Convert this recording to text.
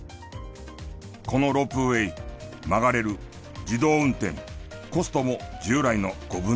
このロープウェイ曲がれる自動運転コストも従来の５分の１。